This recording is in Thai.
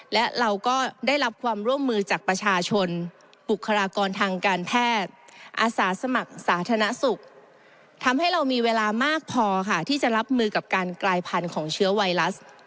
และเราก็ได้รับความร่วมมือจากประชาชนบุคลากรทางการแพทย์อาสาสมัครสาธารณสุขทำให้เรามีเวลามากพอค่ะที่จะรับมือกับการกลายพันธุ์ของเชื้อไวรัส